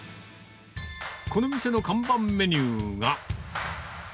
この店の看板メニューが。